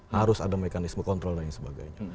harus ada mekanisme kontrol dan lain sebagainya